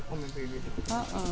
oh mimpi gitu